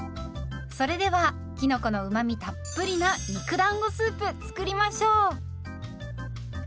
それではきのこのうまみたっぷりな肉だんごスープ作りましょう。